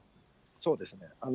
そうですね。